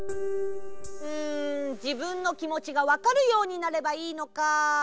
うんじぶんのきもちがわかるようになればいいのか。